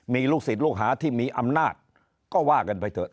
มีลูกศิษย์ลูกหาที่มีอำนาจก็ว่ากันไปเถอะ